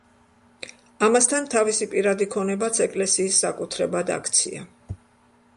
ამასთან, თავისი პირადი ქონებაც ეკლესიის საკუთრებად აქცია.